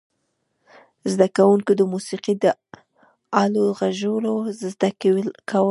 زده کوونکو د موسیقي د آلو غږول زده کول.